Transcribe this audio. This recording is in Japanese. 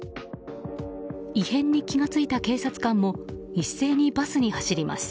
異変に気が付いた警察官も一斉にバスに走ります。